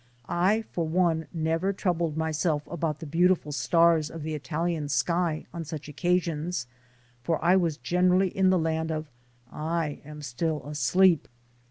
I for one never troubled myself about the beautiful stars 22 THE SOUL OF AN IMMIGRANT of the Italian sky on such occasions, for I was generally in the land of I am still asleep.